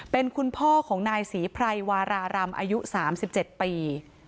เป็นคุณพ่อของนายศรีไพรวารารำอายุ๓๗ปี